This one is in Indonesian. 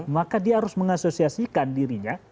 maka dia harus mengasosiasikan dirinya